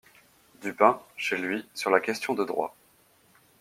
Dupin, chez lui, sur la question de droit.